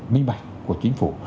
minh bạch của chính phủ